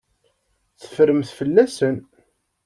Teffremt fell-asen.